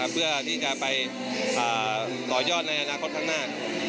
เพื่อที่จะไปต่อยอดในอนาคตข้างหน้า